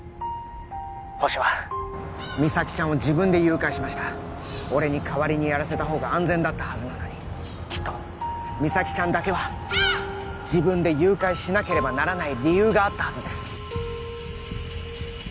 ホシは実咲ちゃんを自分で誘拐しました俺に代わりにやらせたほうが安全だったはずなのにきっと実咲ちゃんだけは自分で誘拐しなければならない理由があったはずです